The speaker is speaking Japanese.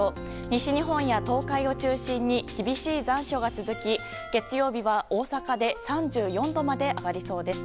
西日本や東海を中心に厳しい残暑が続き月曜日は大阪で３４度まで上がりそうです。